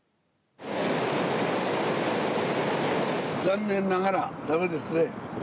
残念ながらだめですね。